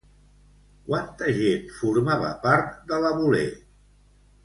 Quanta gent formava part de la Boulé?